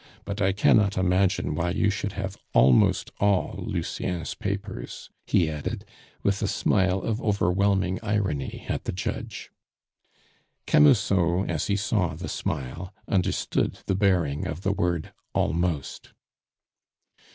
"But I cannot imagine why you should have almost all Lucien's papers," he added, with a smile of overwhelming irony at the judge. Camusot, as he saw the smile, understood the bearing of the word "almost."